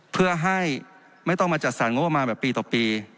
เพื่อให้ไม่ต้องมาจัดสรรงบประมาณแบบปีต่อปี